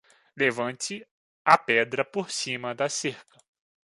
Levante a pedra por cima da cerca.